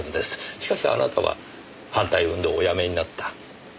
しかしあなたは反対運動をおやめになった。